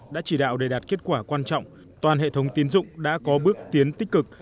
đã chỉ đạo để đạt kết quả quan trọng toàn hệ thống tiến dụng đã có bước tiến tích cực